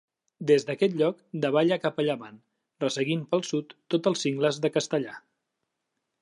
Des d'aquest lloc davalla cap a llevant, resseguint pel sud tots els Cingles de Castellar.